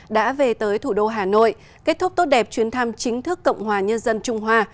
đã về tới thủ đô hà nội kết thúc tốt đẹp chuyến thăm chính thức cộng hòa nhân dân trung hoa